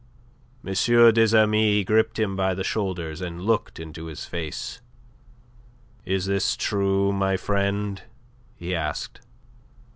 M. des Amis gripped him by the shoulders, and looked into his face. "Is this true, my friend?" he asked.